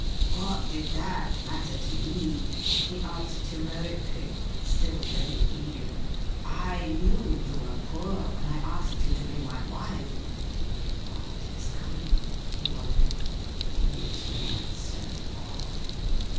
' What did that matter to me ?' he asked heroically, still very eager. ' I knew you were poor when I asked you to be my wife.' —' What is coming ?' he wondered. ' These women are so odd.'